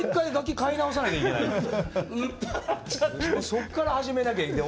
そっから始めなきゃいけない。